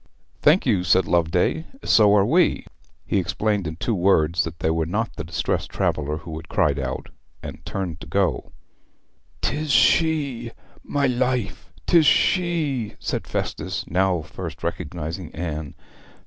'Thank you,' said Loveday; 'so are we.' He explained in two words that they were not the distressed traveller who had cried out, and turned to go on. ''Tis she! my life, 'tis she said Festus, now first recognizing Anne.